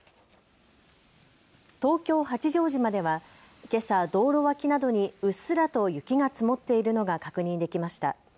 東京八丈島ではけさ道路脇などにうっすらと雪が積もっているのが確認できました。